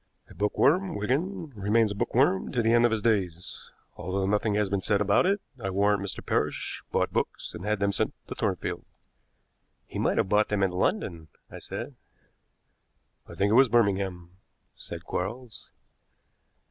"A bookworm, Wigan, remains a bookworm to the end of his days. Although nothing has been said about it, I warrant Mr. Parrish bought books and had them sent to Thornfield." "He might have bought them in London," I said. "I think it was Birmingham," said Quarles.